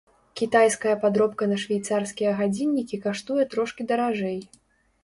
Кітайская падробка на швейцарскія гадзіннікі каштуе трошкі даражэй.